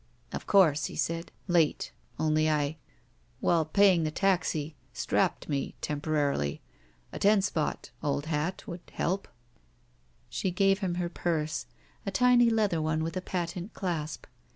"Of course," he said. "Late. Only I— Well, paying the taxi — strapped me — ^temporarily. A ten spot— old Hat — ^would help." She gave him her purse, a tiny leather one with a patent clasp.